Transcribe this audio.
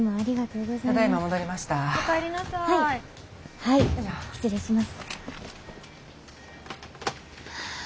はい失礼します。